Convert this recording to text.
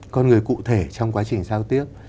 con người cụ thể trong quá trình giao tiếp